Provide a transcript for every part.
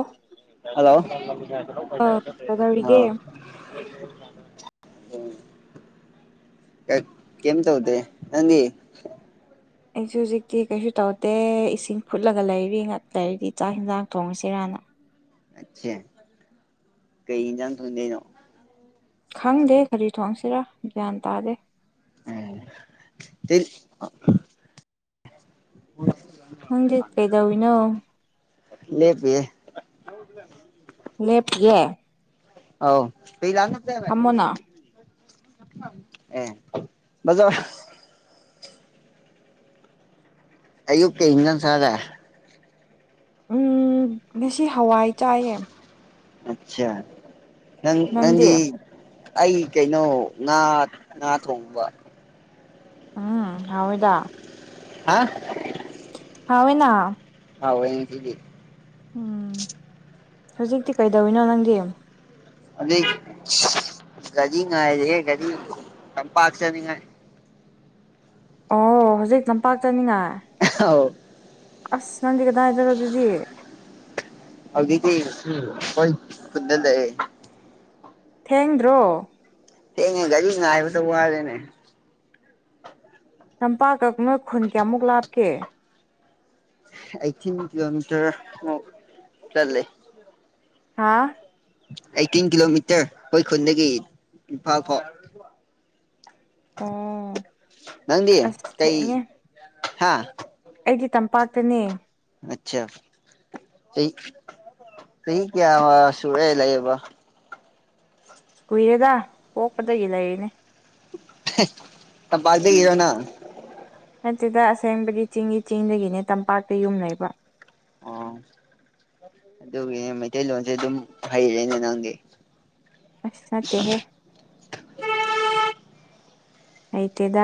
ꯑ ꯍꯜꯂꯣ ꯑꯧ ꯀꯩꯗꯧꯔꯤꯒꯦ ꯑꯝ ꯀꯦꯝ ꯇꯧꯗꯦ ꯅꯪꯗꯤ ꯑꯩꯁꯨ ꯍꯧꯖꯤꯛꯇꯤ ꯀꯩꯁꯨ ꯇꯧꯗꯦ ꯏꯁꯤꯡ ꯐꯨꯠꯂꯒ ꯂꯩꯔꯤ ꯉꯥꯛ ꯂꯩꯔꯗꯤ ꯆꯥꯛ ꯌꯦꯟꯖꯥꯡ ꯊꯣꯡꯉꯁꯤꯔꯥꯅ꯫ ꯑꯆꯦ ꯀꯩ ꯏꯟꯖꯥꯡ ꯊꯣꯡꯗꯣꯏꯅꯣ꯫ ꯈꯪꯗꯦ ꯀꯔꯤ ꯊꯣꯡꯁꯤꯔꯥ ꯒ꯭ꯌꯥꯟ ꯇꯥꯗꯦ꯫ ꯑꯣ꯫ [inaudible] ꯅꯪꯗꯤ ꯀꯩꯗꯧꯔꯤꯅꯣ꯫ ꯂꯦꯞꯄꯤꯌꯦ꯫ [inaudible] ꯂꯦꯞꯄꯤ ꯌꯦ꯫ ꯑꯧ꯫ [inaudible] ꯐꯝꯃꯣꯅ ꯑꯦ ꯕꯖꯔ꯫ ꯑꯌꯨꯛꯀꯤ ꯀꯩ ꯏꯟꯖꯥꯡ ꯆꯥꯔ ꯂꯥꯛꯑꯦ꯫ ꯎꯝ ꯉꯁꯤ ꯍꯋꯥꯏ ꯆꯥꯏꯌꯦ꯫ ꯑꯆꯥ ꯅꯪ ꯅꯪꯗꯤ꯫ ꯑꯩ ꯀꯩꯅꯣ ꯉꯥ ꯉꯥ ꯊꯣꯡꯕ꯫ ꯎꯝ ꯍꯥꯎꯋꯤꯏꯗ꯫ ꯍꯥ꯫ ꯍꯥꯎꯋꯦꯅ꯫ ꯍꯥꯎꯋꯦ ꯉꯁꯤꯗꯤ꯫ ꯎꯝ ꯍꯧꯖꯤꯛꯇꯤ ꯀꯩꯗꯧꯔꯤꯅꯣ ꯅꯪꯗꯤ꯫ ꯍꯧꯖꯤꯛ ꯒꯥꯔꯤ ꯉꯥꯏꯔꯤꯌꯦ ꯇꯝꯄꯥꯛ ꯆꯠꯅꯤꯡ ꯉꯥꯏ꯫ ꯑꯣ ꯍꯧꯖꯤꯛ ꯂꯝꯄꯥꯛ ꯆꯠꯅꯤꯡ ꯉꯥꯏ꯫ ꯑꯧ꯫ ꯑꯁ ꯅꯪꯗꯤ ꯀꯗꯥꯏꯗꯔ ꯑꯗꯨꯗꯤ꯫ ꯍꯧꯖꯤꯛꯇꯤ ꯑꯈꯣꯏ ꯈꯨꯟꯗ ꯂꯩꯌꯦ꯫ ꯊꯦꯡꯗ꯭ꯔꯣ꯫ ꯊꯦꯡꯉꯦ ꯒꯥꯔꯤ ꯉꯥꯏꯕꯗ ꯋꯥꯔꯦꯅꯦ꯫ ꯂꯝꯄꯥꯛꯀ ꯅꯣꯏ ꯈꯨꯟ ꯀꯌꯥꯃꯨꯛ ꯂꯥꯞꯀꯦ꯫ ꯑꯩꯠꯇꯤꯟ ꯀꯤꯂꯣꯃꯤꯇꯔ ꯃꯨꯛ ꯆꯠꯂꯦ꯫ ꯍꯥꯥ꯫ ꯑꯩꯠꯇꯤꯟ ꯀꯤꯂꯣꯃꯤꯇꯔ ꯑꯩꯈꯣꯏꯈꯨꯜꯗꯒꯤ ꯏꯝꯐꯥꯜ ꯐꯥꯎ꯫ ꯑꯣ ꯅꯪꯗꯤ ꯑꯁ ꯀꯩ ꯊꯦꯡꯉꯦ ꯍꯥꯥ꯫ ꯑꯩꯗꯤ ꯇꯝꯄꯥꯛꯇꯅꯦ꯫ ꯑꯆꯥ ꯆꯍꯤ ꯆꯍꯤ ꯀꯌꯥ ꯁꯨꯔꯦꯕ ꯂꯩꯕ꯫ ꯀꯨꯏꯔꯦꯗ ꯄꯣꯛꯄꯗꯒꯤ ꯂꯩꯔꯤꯅꯦ [unintelligible] ꯇꯝꯇꯥꯛꯇꯒꯤꯔꫭ ꯅꯪ ꯅꯠꯇꯗ ꯑꯁꯦꯡꯕꯗꯤ ꯆꯤꯡꯒꯤ ꯆꯤꯡꯗꯒꯤꯅꯦ ꯇꯝꯄꯥꯛꯇ ꯌꯨꯝ ꯂꯩꯕ ꯑꯣ ꯑꯗꯨꯒꯤꯅꯦ ꯃꯩꯇꯩꯂꯣꯟꯁꯦ ꯑꯗꯨꯝ ꯍꯩꯔꯦꯅꯦ ꯅꯪꯗꯤ ꯑꯁ ꯅꯠꯇꯦꯍꯦ ꯍꯩꯇꯦꯗ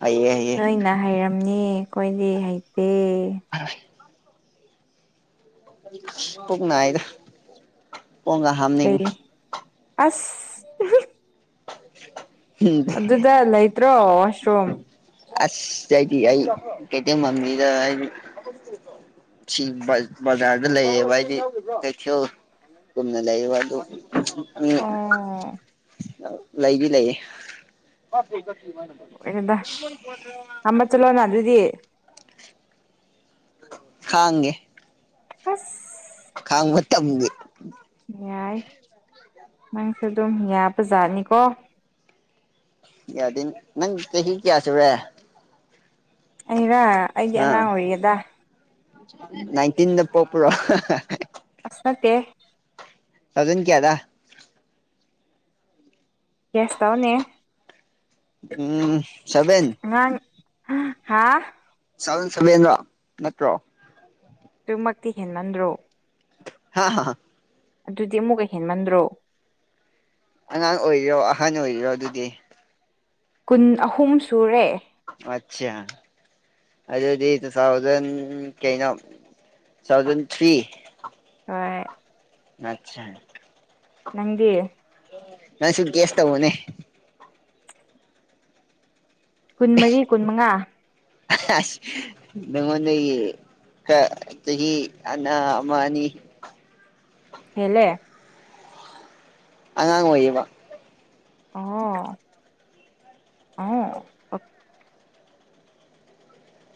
ꯍꯩꯌꯦ ꯍꯩ ꯅꯣꯏꯅ ꯍꯩꯔꯝꯅꯤ ꯑꯩꯈꯣꯏꯗꯤ ꯍꯩꯇꯦ [unintelligible] ꯄꯨꯛ ꯅꯥꯏꯗ [unintelligible] ꯀꯩ ꯑꯁ [unintelligible] ꯑꯗꯨꯗ ꯂꯩꯇ꯭ꯔꯣ ꯋꯥꯔꯁ ꯔꯨꯝ꯫ ꯑꯁ ꯑꯩꯗꯤ ꯑꯩ ꯀꯩꯇꯦꯡ ꯃꯃꯤꯗ ꯍꯥꯏꯗꯤ꯫ ꯁꯤ ꯕꯖꯥꯔꯗ ꯂꯩꯌꯦꯕ ꯍꯥꯏꯗꯤ ꯀꯩꯊꯦꯜ꯫ ꯆꯨꯝꯅ ꯂꯩꯌꯦꯕ ꯑꯗꯨ ꯎꯝ꯫ ꯑꯣ ꯂꯩꯗꯤ ꯂꯩꯌꯦ꯫ [inaudible] ꯑꯣꯏꯔꯦꯗ ꯊꯝꯕ ꯆꯠꯂꯣꯅ ꯑꯗꯨꯗꯤ ꯈꯪꯒꯦ꯫ ꯑꯁ꯫ ꯈꯥꯡꯕ ꯇꯝꯒꯦ꯫ ꯌꯥꯏ ꯅꯪꯁꯨ ꯑꯗꯨꯝ ꯌꯥꯕ ꯖꯥꯠꯅꯤꯀꯣ꯫ ꯌꯥꯗꯦ ꯅꯪ ꯆꯍꯤ ꯀꯦꯌꯥꯁꯨꯔꯦ꯫ ꯑꯩꯔ ꯑꯩꯗꯤ ꯑꯉꯥꯡ ꯑꯥ ꯑꯣꯏꯔꯤꯗ ꯅꯥꯏꯟꯇꯤꯟꯗ ꯄꫭꯛꯄꯔꯣ ꯑꯁ ꯅꯠꯇꯦ ꯊꯥꯖꯟ ꯀꯌꯥꯗ ꯒꯦꯁ ꯇꯥꯎꯅꯦ ꯎꯝ ꯁꯕꯦꯟ ꯉꯥꯡ ꯍꯥꯥ ꯇꯨꯊꯥꯎꯖꯟ ꯁꯕꯦꯟ꯭ꯔꯣ ꯅꯠꯇ꯭ꯔꯣ ꯑꯗꯨꯃꯛꯇꯤ ꯍꯦꯟꯃꯟꯗ꯭ꯔꯣ ꯍꯥ ꯑꯗꯨꯗꯤ ꯑꯃꯨꯛꯀ ꯍꯦꯟꯃꯟꯗ꯭ꯔꯣ ꯑꯉꯥꯡ ꯑꯣꯏꯔꯤꯔꯣ ꯑꯍꯟ ꯑꯣꯏꯔꯤꯔꯣ ꯑꯗꯨꯗꯤ ꯀꯨꯟ ꯑꯍꯨꯝ ꯁꯨꯔꯦ ꯑꯆꯥ ꯑꯗꯨꯗꯤ ꯇꯨ ꯊꯥꯎꯖꯟ ꯀꯩꯅꯣ ꯇꯨ ꯊꯥꯎꯖꯟ ꯊ꯭ꯔꯤ ꯍꫭꯏ ꯑꯆꯥ ꯅꯪꯗꯤ ꯅꯪꯁꯨ ꯒꯦꯁ ꯇꯧꯋꫭꯅꯦ ꯀꯨꯟꯃꯔꯤ ꯀꯨꯟꯃꯉꯥ [unintelligible] ꯅꯪꯉꫭꯟꯗꯒꯤ ꯈꯔ ꯆꯍꯤ ꯑꯅ ꯑꯃ ꯑꯅꯤ ꯍꯦꯂꯦ ꯑꯉꯥꯡ ꯑꯣꯏꯌꯦꯕ ꯑꯣ ꯑ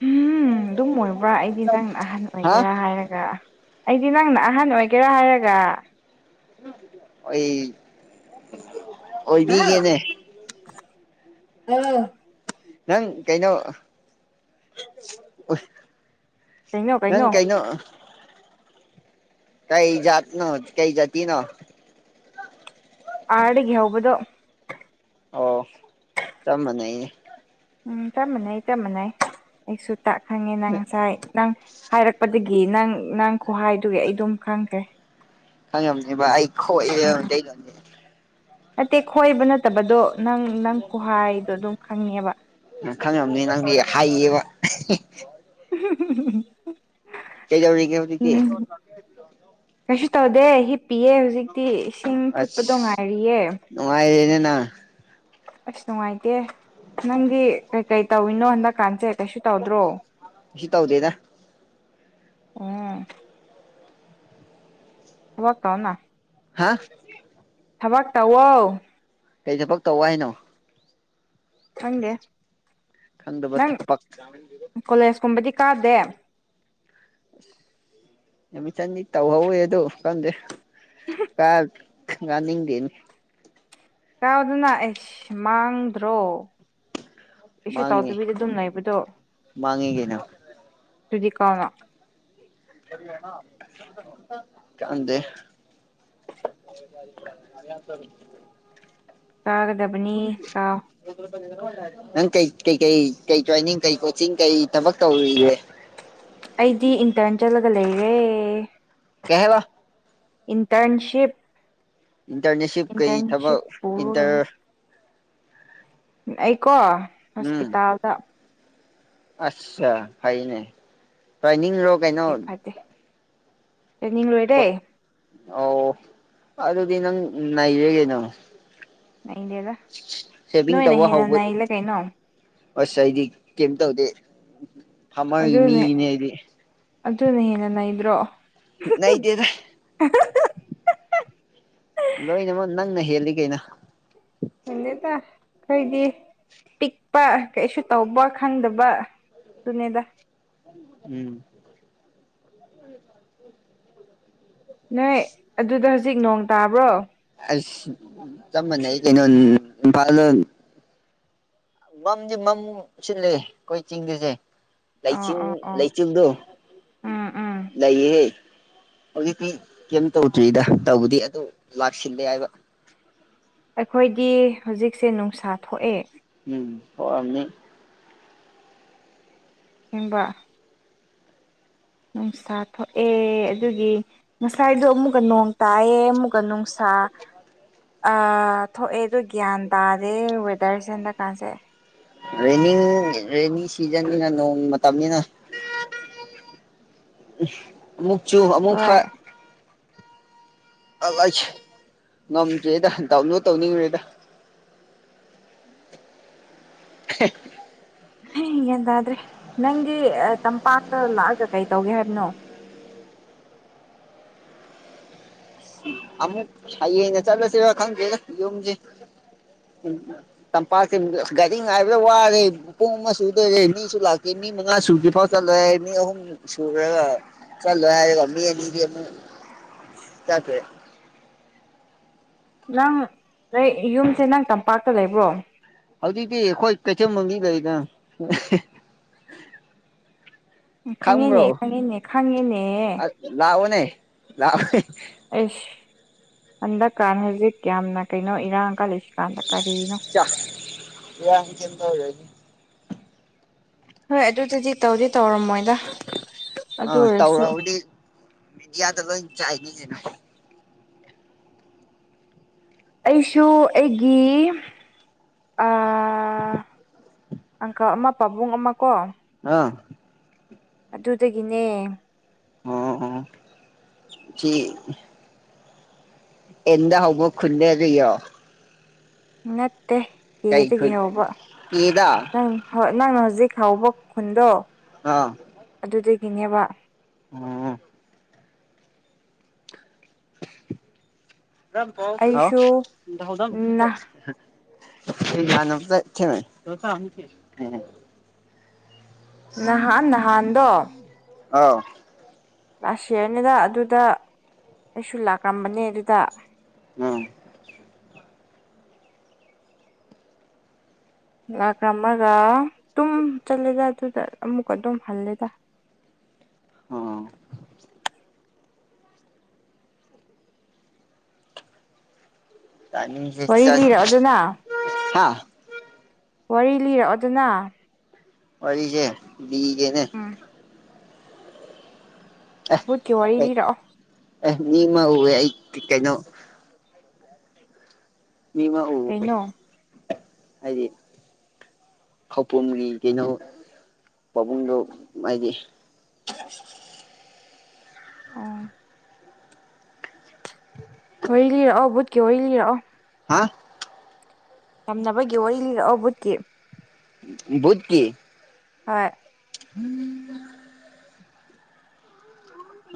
ꯎꯝ ꯑꯗꯨꯝ ꯑꯣꯏꯕ꯭ꯔꯥ ꯑꯩꯗꯤ ꯅꯪ ꯑꯍꯟ ꯍꯥ ꯑꯣꯏꯒꯦꯔꯥ ꯍꯥꯏꯔꯒ ꯑꯩꯗꯤ ꯅꯪꯅ ꯑꯍꯟ ꯑꯣꯏꯒꯦꯔꯥ ꯍꯥꯏꯔꯒ ꯑꯩ ꯍꯥꯎ ꯑꯣꯏꯕꯤꯒꯦꯅꯦ ꯑꯧ ꯅꯪ ꯀꯩꯅꯣ ꯅꯪ ꯀꯩꯅꯣ ꯀꯩ ꯖꯥꯠ ꯅꯣ ꯀꯩ ꯖꯥꯇꯤ ꯅꯣ ꯑꯥꯔꯗꯒꯤ ꯍꯧꯕꯗꯣ ꯑꯣ ꯆꯞ ꯃꯅꯩꯌꯦ ꯎꯝ ꯆꯞ ꯃꯥꯟꯅꯩ ꯆꯞ ꯃꯥꯟꯅꯩ ꯑꯩꯁꯨ ꯇꯥꯛ ꯈꯪꯉꯦ ꯅꯪ ꯉꯁꯥꯏ ꯅꯪ ꯍꯥꯏꯔꯛꯄꯗꯒꯤ ꯅꯪ ꯅꯪ ꯈꯨꯍꯥꯏꯗꯨꯒꯤ ꯑꯩ ꯗꯨꯝ ꯈꯪꯈ꯭ꯔꯦ ꯈꯪꯉꯝꯅꯦꯕꯥ ꯑꯩ [unintelligible] ꯅꯠꯇꯦ ꯈꯣꯏꯕ ꯅꯠꯇꯕꯗꯣ ꯅꯪ ꯅꯪ ꯈꯣꯍꯥꯏꯗꯣ ꯑꯗꯨꯝ ꯈꯪꯉꯦꯕ ꯈꯪꯉꯕꯅꯤ ꯅꯪꯗꯤ ꯍꯥꯏꯌꯦꯕ [unintelligible] ꯀꯩꯗꯧꯔꯤꯒꯦ ꯍꯧꯖꯤꯛꯇꯤ ꯎꯝ ꯀꯩꯁꯨ ꯇꯧꯗꯦ ꯍꯤꯞꯄꯤꯌꯦ ꯍꯧꯖꯤꯛꯇꯤ ꯏꯁꯤꯡ ꯐꯨꯠꯄꯗꯣ ꯉꯥꯏꯔꯤꯌꯦ ꯅꯨꯡꯉꯥꯏꯔꯦꯅꯦꯅꯪ ꯑꯁ ꯅꯨꯡꯉꯥꯏꯇꯦ ꯅꯪꯗꯤ ꯀꯩ ꯀꯩ ꯇꯧꯔꯤꯅꯣ ꯍꯟꯗꯛꯀꯥꯟꯁꯦ ꯀꯩꯁꯨ ꯇꯧꯗ꯭ꯔꯣ ꯀꯩꯁꯨ ꯇꯧꯗꯦꯗ ꯎꯝ ꯊꯕꯛ ꯇꯧꯅ ꯍꯥ ꯊꯕꯛ ꯇꯧꯋꯣ ꯀꯩ ꯊꯕꯛ ꯇꯧ ꯍꯥꯏꯅꯣ ꯈꯪꯗꯦ ꯍꯥꯏꯅꯣꯈꯪꯗꯕ ꯅꯪ ꯊꯕꯛ ꯀꯣꯂꯦꯖꯀꯨꯝꯕꯗꯤ ꯀꯥꯗꯦ ꯑꯦꯃꯤꯆꯟꯗꯤ ꯇꯧꯍꯧꯋꯦ ꯑꯗꯨ ꯈꯪꯗꯦ ꯀ ꯉꯥꯅꯤꯡꯗꯦꯅꯦ ꯀꯥꯎꯗꯅ ꯑꯩꯁ ꯃꯥꯡꯗ꯭ꯔꯣ ꯀꯩꯁꯨ ꯃꯥꯡꯉꯦ ꯇꯥꯎꯗꯕꯤꯗ ꯗꯨꯝ ꯂꯩꯕꯗꯣ ꯃꯥꯡꯉꯦ ꯀꯩꯅꯣ ꯗꯨꯗꯤ ꯀꯅ ꯈꯪꯗꯦ [unintelligible] ꯇꯥꯒꯗꯕꯅꯤ ꯇꯥꯎ ꯅꯪ ꯀꯩ ꯀꯩꯀꯩ ꯀꯩ ꯇ꯭ꯔꯦꯟꯅꯤꯡ ꯀꯩ ꯀꯣꯆꯤꯡ ꯀꯩ ꯊꯕꯛ ꯇꯧꯔꯤꯒꯦ ꯑꯩꯗꯤ ꯏꯟꯇꯔꯟ ꯆꯠꯂꯒ ꯂꯩꯔꯦ ꯀꯩ ꯍꯥꯏꯕ ꯏꯟꯇꯔꯟꯁꯤꯞ ꯏꯟꯇꯔꯅꯦꯁꯤꯞ ꯀꯩ ꯏꯟꯇꯔꯟꯁꯤꯞ ꯊꯕꯛ ꯄꯨꯔꯒꯅ ꯏꯟꯇꯔ ꯑꯩꯀꯣ ꯍꯣꯁꯄꯤꯇꯥꯜꯗ ꯑꯁꯆꯥ ꯐꯩꯅꯦ ꯄꯥꯏꯅꯤꯡ ꯔꯣꯛ ꯇ꯭ꯔꯦꯅꯤꯡ ꯂꯣꯏꯔꯦ ꯑꯧ ꯑꯗꯨꯗꯤ ꯅꯪ ꯅꯩꯔꯦ ꯀꯩꯅꯣ ꯅꯩꯗꯦꯗ ꯁꯦꯚꯤꯡ ꯅꯣꯏꯅ ꯇꯧꯕ ꯍꯦꯟꯅ ꯍꯧꯕ ꯅꯩꯂꯦ ꯀꯩꯅꯣ ꯑꯁ ꯑꯩꯗꯤ ꯀꯩꯝ ꯇꯧꯗꯦ ꯐꯥꯃꯔꯒꯤ ꯑꯗꯨꯅꯦ ꯃꯤꯒꯤꯅꯦ ꯑꯩꯗꯤ ꯑꯗꯨꯅ ꯍꯦꯟꯅ ꯅꯩꯗ꯭ꯔꯣ ꯅꯩꯗꯦꯗ [unintelligible] ꯂꯣꯏꯅꯃꯛ ꯅꯪꯅ ꯍꯦꯜꯂꯤ ꯀꯩꯅꯣ ꯍꯦꯟꯗꯦꯗ ꯈꯣꯏꯗꯤ ꯄꯤꯛꯄ ꯀꯩꯁꯨ ꯇꯧꯕ ꯈꯪꯗꯕ ꯑꯗꯨꯅꯦꯗ ꯎꯝ ꯅꯣꯏ ꯑꯗꯨꯗ ꯍꯧꯖꯤꯛ ꯅꯣꯡ ꯇꯥꯕ꯭ꯔꯣ ꯑꯩꯁ ꯆꯞ ꯃꯥꯟꯅꯩ ꯀꯩꯅꯣ ꯏꯝꯐꯥꯜꯗ ꯃꯝꯗꯤ ꯃꯝ ꯁꯤꯜꯂꯦ ꯑꯩꯈꯣꯏ ꯆꯤꯡꯒꯤꯁꯦ ꯑꯣ ꯂꯩꯆꯤꯟ ꯑꯣ ꯑꯣ ꯂꯩꯆꯨꯞꯗꯣ ꯎꯝ ꯎꯝ ꯂꯩꯌꯦꯍꯦ꯫ ꯍꯧꯖꯤꯛꯇꯤ ꯀꯩꯝ ꯇꯧꯗ꯭ꯔꯤꯗ ꯇꯧꯕꯗꯤ ꯑꯗꯨ ꯂꯥꯛꯁꯤꯜꯂꯦ ꯍꯥꯏꯕ꯫ ꯑꯩꯈꯣꯏꯗꯤ ꯍꯧꯖꯤꯛꯁꯦ ꯅꯨꯡꯁꯥ ꯊꯣꯛꯑꯦ꯫ ꯎꯝ ꯍꫭꯔꯝꯅꯤ꯫ [unintelligible] ꯅꯨꯡꯁꯥ ꯊꯣꯛꯑꯦ ꯑꯗꯨꯒꯤ ꯉꯁꯥꯏꯗꯣ ꯑꯃꯨꯛꯀ ꯅꯣꯡ ꯇꯥꯌꯦ ꯃꯨꯛꯀ ꯅꯨꯡꯁꯥ ꯑ ꯊꯣꯛꯑꯦ ꯑꯗꯣ ꯒ꯭ꯌꯥꯟ ꯇꯥꯗꯦ ꯋꯦꯗꯔꯁꯦ ꯍꯟꯗꯛꯀꯥꯟꯁꯦ꯫ ꯔꯦꯅꯤꯡ ꯔꯦꯅꯤ ꯁꯤꯖꯟꯅꯤꯅ ꯅꯣꯡ ꯃꯇꯝꯅꯤꯅ ꯑꯃꯨꯛ ꯆꯨ ꯑꯃꯨꯛ ꯐ ꯍꯣꯏ [unintelligible] ꯉꯝꯗ꯭ꯔꯦꯗ ꯗꯥꯎꯟ ꯂꯣꯗ ꯇꯧꯅꯤꯡꯔꯦꯗ ꯍꯦ ꯍꯤ ꯒ꯭ꯥꯌꯟ ꯇꯥꯗ꯭ꯔꯦ ꯅꯪꯗꯤ ꯇꯝꯄꯥꯛꯇ ꯂꯥꯛꯑꯒ ꯀꯩ ꯇꯧꯒꯦ ꯍꯥꯏꯕꯅꯣ ꯑꯃꯨꯛ ꯍꯌꯦꯡꯅ ꯆꯠꯂꯁꯤꯔ ꯈꯪꯗꯦꯗ ꯌꯨꯝꯖꯤ ꯇꯝꯄꯥꯛ ꯇꯤꯃꯗ ꯒꯥꯔꯤ ꯉꯥꯏꯕꯗ ꯋꯥꯔꯦ ꯄꯨꯡ ꯑꯃ ꯁꯨꯗꯣꯏꯔꯦ ꯃꯤꯁꯨ ꯂꯥꯛꯇꯦ ꯃꯤ ꯃꯉꯥ ꯁꯨꯗ꯭ꯔꯤ ꯐꯥꯎ ꯆꯠꯂꯣꯏ ꯍꯥꯏ ꯃꯤ ꯑꯍꯨꯝ ꯁꯨꯈ꯭ꯔꯒ ꯆꯠꯂꯣꯏ ꯍꯥꯏꯒ ꯃꯤ ꯑꯅꯤꯗꯤ ꯑꯃꯨꯛ ꯆꯠꯈꯔ꯭ꯦ ꯅꯪ ꯌꯨꯝꯁꯦ ꯅꯪ ꯇꯝꯄꯥꯛꯇ ꯂꯩꯕ꯭ꯔꯣ ꯍꯧꯖꯤꯛꯇꯤ ꯈꯣꯏ ꯀꯩꯊꯦꯜ [unintelligible] ꯂꯩꯗꯅ ꯈꯪꯉꯦꯅꯦ ꯈꯥꯡꯕ꯭ꯔꯣ ꯈꯪꯉꯦꯅꯦ ꯈꯪꯉꯦꯅꯦ ꯑ ꯂꯥꯛꯑꯣꯅꯦ ꯂꯥꯛ꯫ [unintelligible] ꯑꯩꯁ ꯍꯟꯗꯛꯀꯥꯟ ꯍꯧꯖꯤꯛ ꯌꯥꯝꯅ ꯀꯩꯅꯣ ꯏꯔꯥꯡ ꯀꯜꯂꯤꯁꯤ ꯀꯥꯟꯗ ꯀꯔꯤꯅꯣ꯫ [inaudible] ꯍꯣꯏ ꯑꯗꯨꯗꯗꯤ ꯇꯧꯗꯤ ꯇꯧꯔꯝꯃꯣꯏꯗ ꯑꯗꯨ ꯑꯣꯏꯔꯁꯨ꯫ ꯃꯤꯗꯤꯌꯥꯗ ꯂꫭꯏꯅ ꯆꯥꯏꯅꯤ ꯀꯩꯅꫭ꯫ ꯑꯩꯁꯨ ꯑꯩꯒꯤ ꯑꯥ ꯑꯪꯀ ꯑꯃ ꯄꯥꯕꯨꯡ ꯑꯃ ꯀꯣ ꯑꯥ ꯑꯗꯨꯗꯒꯤꯅꯦ꯫ ꯑꯣ-ꯑꯣ ꯁꯤ ꯑꯦꯟꯗ ꯍꯧꯕꯣ ꯈꯨꯟꯗꯗꯤꯌꫭ ꯅꯠꯇꯦ ꯀꯩ ꯑꯦꯗꯒꯤ ꯈꯨꯟ ꯍꯧꯕ ꯏꯗ ꯅꯪ ꯍꯣꯏ ꯅꯪꯅ ꯍꯧꯖꯤꯛ ꯍꯥꯎꯕ ꯈꯨꯟꯗꯣ ꯑꯥ꯫ ꯑꯗꯨꯗꯒꯤꯅꯦꯕ꯫ ꯑꫭ꯫ ꯑꯩꯁꯨ ꯅꯍꯥꯟ [unintelligible] [unintelligible] ꯅꯍꯥꯟ ꯅꯍꯥꯟꯗꯣ ꯑꯥꯎ꯫ ꯂꯥꯁ ꯌꯦꯔꯅꯤꯗ ꯑꯗꯨꯗ ꯑꯩꯁꯨ ꯂꯥꯛꯔꯝꯕꯅꯦ ꯑꯗꯨꯗ꯫ ꯎꯝ꯫ ꯂꯥꯛ ꯔꯃꯔꯒ ꯑꯗꯨꯝ ꯆꯠꯂꯦꯗ ꯑꯗꯨꯗ ꯑꯃꯨꯛꯀ ꯑꯗꯨꯝ ꯍꯜꯂꯦꯗ꯫ ꯑꯣ꯫ ꯇꯥꯏꯃꯤꯡꯁꯦ ꯋꯥꯔꯤ ꯆꯥꯏ ꯂꯤꯔꯛꯑꯣꯗꯅ ꯍꯥ ꯋꯥꯔꯤ ꯂꯤꯔꯛꯑꯣꯗꯅ꯫ ꯋꯥꯔꯤꯁꯦ ꯂꯤꯒꯦꯅꯦ꯫ ꯎꯝ꯫ ꯚꯨꯠꯀꯤ ꯋꯥꯔꯤ ꯑꯦ ꯂꯤꯔꯛꯑꯣ ꯑꯦ ꯃꯤꯃ ꯎꯋꯦ ꯀ ꯀꯩꯅꯣ ꯃꯤꯃ ꯎꯋꯦ ꯀꯩꯅꯣ ꯍꯥꯏꯗꯤ ꯈꯧꯄꯨꯝꯒꯤ ꯀꯩꯅꯣ ꯄꯥꯕꯨꯡꯗꯣ ꯃꯥꯏꯗꯤ ꯑꫭ꯫ [inaudible] ꯋꯥꯔꯤ ꯂꯤꯔꯛꯑꯣ ꯕꯨꯠꯀꯤ ꯋꯥꯔꯤ ꯂꯤꯔꯛꯑꯣ꯫ ꯍꯥ ꯇꯝꯅꯕꯒꯤ ꯋꯥꯔꯤ ꯂꯤꯔꯛꯑꯣ ꯕꯨꯠꯀꯤ ꯕꯨꯠꯀꯤ ꯍꯣꯏ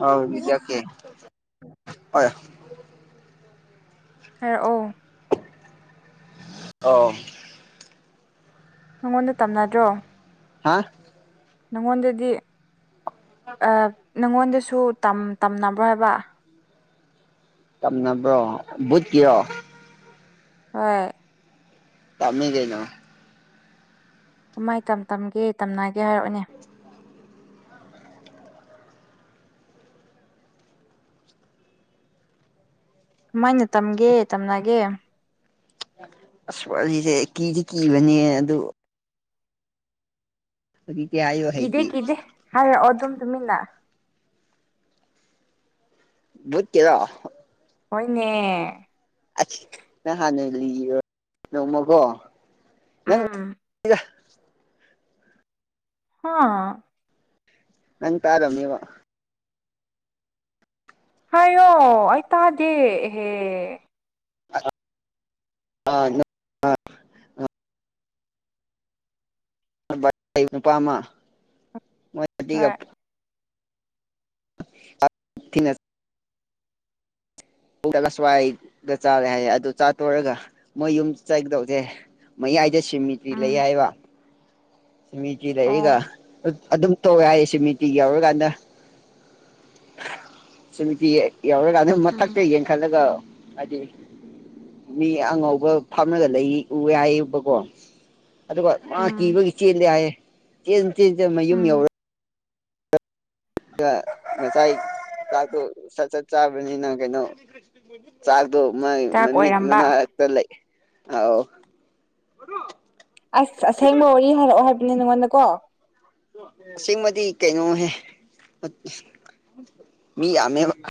ꯑꯧ [unintelligible] ꯍꯣꯏ ꯍꯥꯏꯔꯛꯑꯣ ꯑꯣ꯫ ꯅꯪꯉꯣꯟꯗ ꯇꯝꯅꯗ꯭ꯔꯣ꯫ ꯍꯥ꯫ ꯅꯪꯉꯣꯟꯗꯗꯤ ꯑ ꯅꯪꯉꯣꯟꯗꯁꯨ ꯇꯝ ꯇꯝꯅꯕ꯭ꯔꯣ ꯍꯥꯏꯕ꯫ ꯇꯝꯅꯕ꯭ꯔꯣ ꯕꯨꯨꯠꯀꯤꯔꯣ꯫ ꯍꯣꯏ꯫ ꯇꯝꯃꯤ ꯀꯩꯅꯣ ꯀꯃꯥꯏ ꯇ ꯇꯝꯒꯦ ꯇꯝꯅꯏꯒꯦ ꯍꯥꯏꯔꯛꯑꯣꯅꯦ ꯀꯃꯥꯏꯅ ꯇꯝꯒꯦ ꯇꯝꯅꯒꯦ ꯑꯁ ꯋꯥꯔꯤꯖꯦ ꯀꯤꯗꯤ ꯀꯤꯕꯅꯦ ꯑꯗꯨ [unintelligible] ꯀꯤꯗꯦ ꯀꯤꯗꯦ ꯍꯥꯏꯔꯛꯑꯣ ꯑꯗꯨꯝ ꯇꯨꯃꯤꯟꯅ ꯚꯨꯠꯀꯤꯔ ꯍꯣꯏꯅꯦ ꯅꯪ ꯍꯥꯟꯅ ꯂꯤꯔꯣ ꯅꯣꯡꯃꯀꯣ ꯅꯪ ꯎꯝ ꯍꯥꯥ ꯅꯪ ꯇꯥꯔꯝꯅꯤꯕ ꯍꯥꯏꯌꯣ ꯑꯩ ꯇꯥꯗꯦ ꯍꯦ [unintelligible] [unintelligible] ꯅꯨꯄꯥꯃ ꯃꯣꯏ ꯍꯣꯏ [unintelligible] [unintelligible] ꯊꯤꯅ ꯁꯋꯥꯏꯗ ꯆꯥꯔꯦ ꯍꯥꯏꯌꯦ ꯑꯗꯨ ꯆꯥ ꯇꯣꯔꯒ ꯃꯣꯏ ꯌꯨꯝ ꯆꯥꯠꯀꯗꯧꯅꯦ ꯃꯌꯥꯏꯗ ꯁꯤꯃꯤꯇ꯭ꯔꯤ ꯂꯩ ꯎꯝ ꯍꯥꯏꯕ ꯁꯤꯃꯤꯇꯔꯤ ꯑꯣ ꯂꯩꯏꯒ ꯑꯗꯨꯝ ꯇꯧꯋꯦ ꯍꯥꯏꯌꯦ ꯁꯤꯃꯤꯇꯔꯤ ꯌꯧꯔꯀꯥꯟꯗ ꯁꯨꯃꯤꯇꯔꯤ ꯌꯧꯔꯒ ꯃꯊꯛꯇ ꯎꯝ ꯌꯦꯡꯈꯠꯂꯒ ꯍꯥꯏꯗꯤ ꯃꯤ ꯑꯉꯧꯕ ꯐꯝꯂ ꯂꯩ ꯎꯏ ꯍꯥꯏꯌꯦꯕꯀꯣ ꯑꯗꯨꯒ ꯃꯥ ꯎꯝ ꯀꯤꯕꯒꯤ ꯆꯦꯜꯂꯤ ꯍꯥꯏꯌꯦ ꯆꯦꯟ ꯆꯦꯟ ꯃꯌꯨꯝ ꯎꯝ ꯌꯧꯔ ꯑꯗꯨꯒ ꯉꯁꯥꯏ ꯆꯥꯛꯇꯣ ꯁꯠ ꯁꯠ ꯆꯥꯕꯅꯤꯅ ꯀꯩꯅꯣ ꯆꯥꯛꯇꯣ ꯃꯥꯒꯤ ꯗꯥꯛ ꯃꯃꯤꯠ ꯑꯣꯏꯔꯝꯕ ꯃꯅꯥ [unintelligible] ꯑꯁ ꯑꯁꯦꯡꯕ ꯋꯥꯔꯤ ꯍꯥꯏꯔꯛꯑꯣ ꯍꯥꯏꯕꯅꯦ ꯅꯉꯣꯟꯗ ꯀꯣ ꯑꯁꯦꯡꯕꯗꯤ ꯀꯩꯅꯣꯍꯦ ꯃꯤ ꯌꯥꯝꯃꯦꯕ